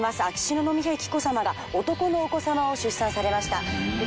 秋篠宮妃紀子さまが男のお子さまを出産されました。